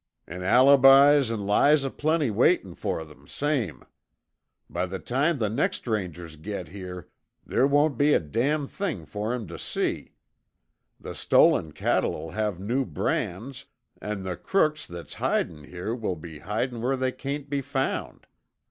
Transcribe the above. "An' alibis an' lies aplenty waitin' fer them same. By the time the next Rangers git here, there won't be a damn thing fer 'em tuh see. The stolen cattle'll have new brands an' the crooks that's hidin' here will be hidin' where they cain't be found.